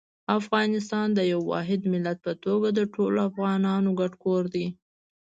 افغانستان د یو واحد ملت په توګه د ټولو افغانانو ګډ کور دی.